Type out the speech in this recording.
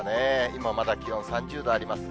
今、まだ気温３０度あります。